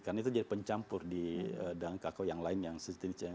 karena itu jadi pencampur di dalam kakao yang lain yang setidaknya